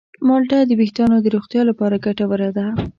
مالټه د ویښتانو د روغتیا لپاره ګټوره ده.